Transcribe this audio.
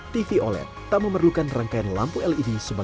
tv oled tak memerlukan rangkaian lampu led sebagai pencari